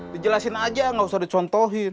dijelasin aja nggak usah dicontohin